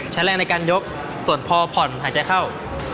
ใช้แรงในการยกส่วนพอผ่อนหายใจเข้า